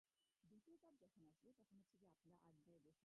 পরের বার আরও অনেক বেশি উন্মুক্ত হয়ে।